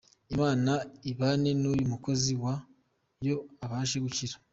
Imana ibane n’uyu mukozi wo yo abashe gukira.